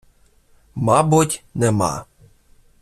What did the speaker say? - Мабуть, нема...